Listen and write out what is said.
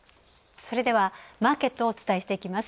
マーケットをお伝えしていきます。